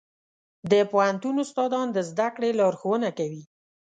د پوهنتون استادان د زده کړې لارښوونه کوي.